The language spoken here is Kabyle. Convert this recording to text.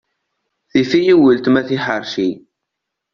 Tifɣ-iyi weltma tiḥerci.